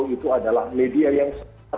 itu adalah media yang